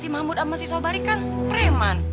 si mamut sama si sobari kan reman